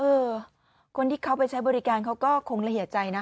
เออคนที่เขาไปใช้บริการเขาก็คงละเอียดใจนะ